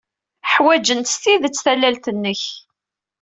Ḥwajent s tidet tallalt-nnek.